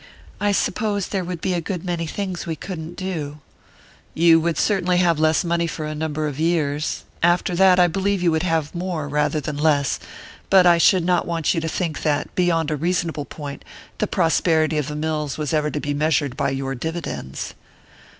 "I suppose there would be a good many things we couldn't do " "You would certainly have less money for a number of years; after that, I believe you would have more rather than less; but I should not want you to think that, beyond a reasonable point, the prosperity of the mills was ever to be measured by your dividends."